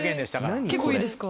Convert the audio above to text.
結構いいですか？